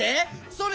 それ。